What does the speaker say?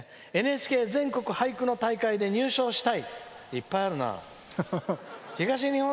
「ＮＨＫ全国俳句の大会で入賞したい」。